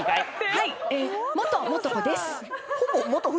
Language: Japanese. はい。